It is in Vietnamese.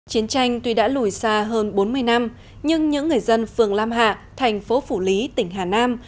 chiến tranh tuy đã lùi xa hơn bốn mươi năm nhưng những người dân phường lam hạ thành phố phủ lý tỉnh hà nam